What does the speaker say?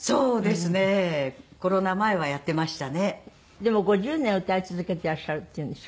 でも５０年歌い続けてらっしゃるっていうんでしょ？